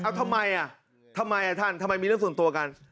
เอาทำไมอ่ะทำไมอ่ะท่านทำไมมีเรื่องส่วนตัวกัน